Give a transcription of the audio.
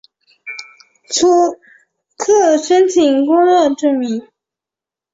初次申请工作证明